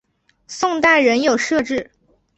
宋代仍有设置。